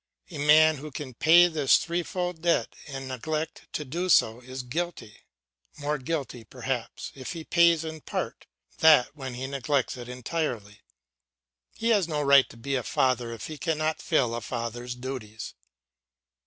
A man who can pay this threefold debt and neglect to do so is guilty, more guilty, perhaps, if he pays it in part than when he neglects it entirely. He has no right to be a father if he cannot fulfil a father's duties.